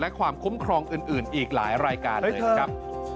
และความคุ้มครองอื่นอีกหลายรายการเลยนะครับ